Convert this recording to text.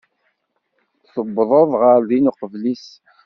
Tuwḍeḍ ɣer din uqbel-is.